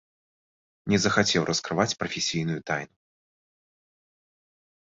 Не захацеў раскрываць прафесійную тайну.